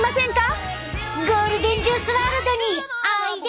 ゴールデンジュースワールドにおいで！